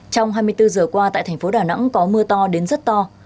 trong hai mươi bốn giờ qua tại thành phố đà nẵng có mưa to đến rất to